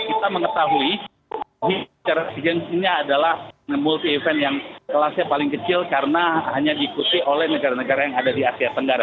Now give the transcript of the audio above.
kita mengetahui secara sea games ini adalah multi event yang kelasnya paling kecil karena hanya diikuti oleh negara negara yang ada di asia tenggara